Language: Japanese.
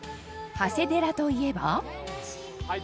長谷寺といえば。